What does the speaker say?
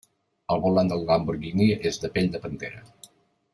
El volant del Lamborghini és de pell de pantera.